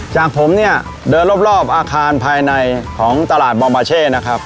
จากผมเนี่ยเดินรอบอาคารภายในของตลาดบอมบาเช่นะครับ